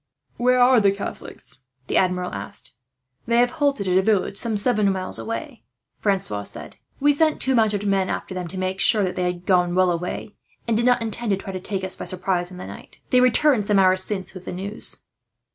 "Where are the Catholics?" the Admiral asked. "They have halted at a village, some seven miles away," Francois said. "We sent two mounted men after them, to make sure that they had gone well away, and did not intend to try to take us by surprise in the night. They returned some hours since with the news."